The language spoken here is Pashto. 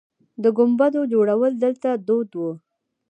د ګنبدو جوړول دلته دود و